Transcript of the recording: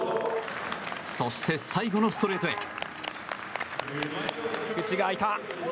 そして最後のストレートへ。